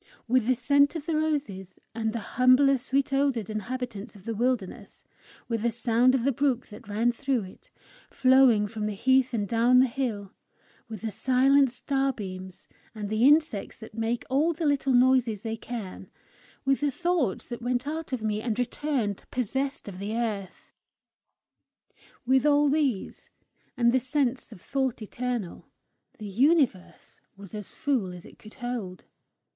With the scent of the roses and the humbler sweet odoured inhabitants of the wilderness; with the sound of the brook that ran through it, flowing from the heath and down the hill; with the silent starbeams, and the insects that make all the little noises they can; with the thoughts that went out of me, and returned possessed of the earth; with all these, and the sense of thought eternal, the universe was full as it could hold.